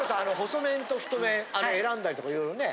細麺と太麺選んだりとかいろいろね。